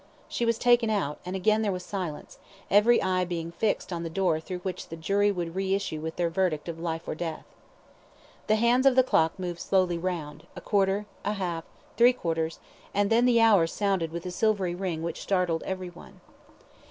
She was taken out, and again there was silence, every eye being now fixed on the door through which the jury would re issue with their verdict of life or death. The hands of the clock moved slowly round a quarter a half three quarters and then the hour sounded with a silvery ring which startled everyone.